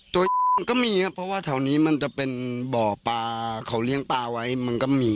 โต๊ะกับมีเพราะแถวนี้มันจะเป็นเบาะปลาเค้าเลี้ยงปลาใหม่กับมี